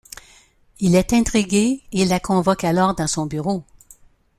Il est intrigué, et la convoque alors dans son bureau.